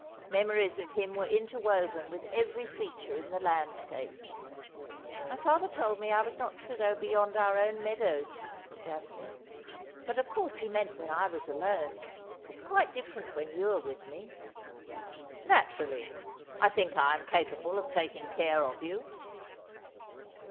Memories of him were interwoven with every feature in the landscape. ' My father told me I was not to go beyond our own mea dows,' said Daphne, ' but of course he meant when I was alone. It is quite different when you are with me.' ' Joaturallv. I think I am capable of taking care of you.'